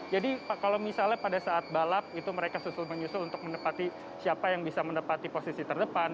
jadi kalau misalnya pada saat balap itu mereka susul menyusul untuk menerpati siapa yang bisa menerpati posisi terdepan